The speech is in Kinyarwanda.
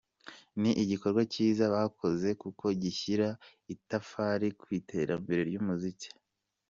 Ni igikorwa cyiza bakoze kuko gishyira itafari ku iterambere ry’umuziki.